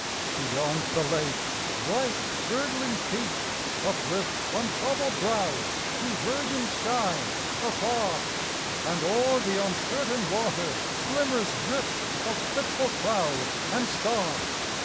Beyond the lake, white, girdling peaks uplift Untroubled brows to virgin skies afar, And o'er the uncertain water glimmers drift Of fitful cloud and star.